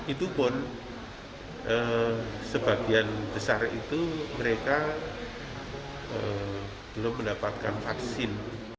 itu pun sebagian besar itu mereka belum mendapatkan vaksin